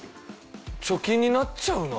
貯金になっちゃうな